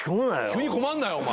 急に困んなよお前！